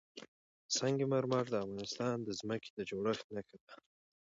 سنگ مرمر د افغانستان د ځمکې د جوړښت نښه ده.